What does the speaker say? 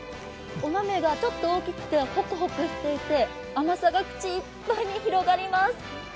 お豆がちょっと大きくてほくほくしていて、甘さが口いっぱいに広がります。